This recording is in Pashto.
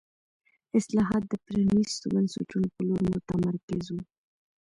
اصلاحات د پرانیستو بنسټونو په لور متمرکز وو.